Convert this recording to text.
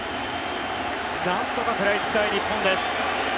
なんとか食らいつきたい日本です。